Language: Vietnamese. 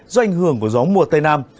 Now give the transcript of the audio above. do ảnh hưởng của gió mùa tây nam